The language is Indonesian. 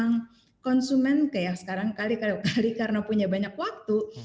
ini yang selain memang konsumen kayak sekarang kali kali karena punya banyak waktu